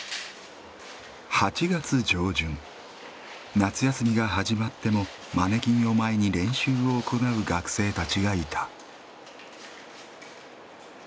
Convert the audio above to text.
夏休みが始まってもマネキンを前に練習を行う学生たちがいた。